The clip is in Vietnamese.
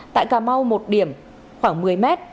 tại cà mau một điểm khoảng một mươi m